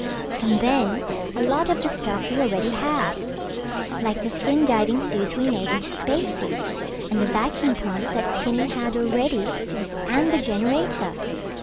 And then, a lot of the stuff we already had. Like the skin diving suits we made into spacesuits and the vacuum pump that Skinny had already and the generator.